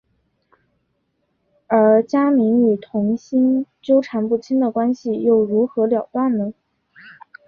而家明与童昕纠缠不清的关系又如何了断呢？